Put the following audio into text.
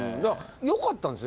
よかったんですよ。